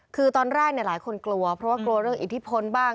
คือตอนแรกหลายคนกลัวเพราะว่ากลัวเรื่องอิทธิพลบ้าง